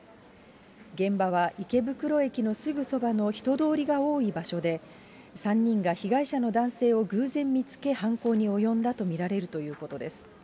現場は池袋駅のすぐそばの人通りが多い場所で、３人が被害者の男性を偶然見つけ、犯行に及んだと見られるということです。